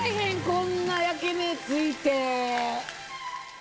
こんな焼き目ついて。